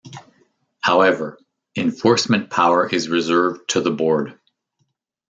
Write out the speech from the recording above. However, enforcement power is reserved to the Board.